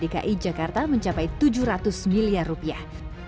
penerimaan pajak hiburan di jakarta mencapai tujuh ratus miliar rupiah